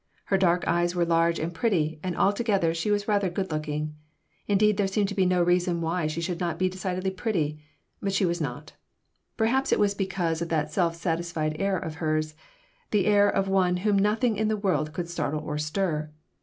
Her dark eyes were large and pretty, and altogether she was rather good looking. Indeed, there seemed to be no reason why she should not be decidedly pretty, but she was not. Perhaps it was because of that self satisfied air of hers, the air of one whom nothing in the world could startle or stir.